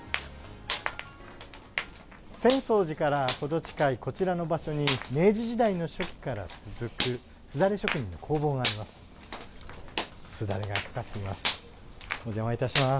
浅草寺から程近いこちらの場所に明治時代の初期から続く簾職人の工房があります。